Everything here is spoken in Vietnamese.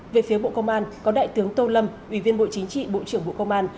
về phía bộ công an có đại tướng tô lâm ủy viên bộ chính trị bộ trưởng bộ công an